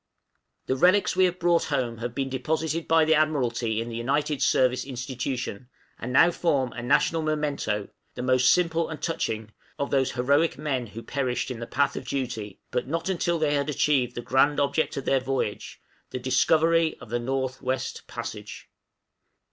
The relics we have brought home have been deposited by the Admiralty in the United Service Institution, and now form a national memento the most simple and most touching of those heroic men who perished in the path of duty, but not until they had achieved the grand object of their voyage, the Discovery of the North West Passage.